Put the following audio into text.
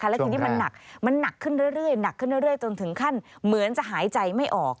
แล้วทีนี้มันหนักขึ้นเรื่อยถึงขั้นเหมือนจะหายใจไม่ออก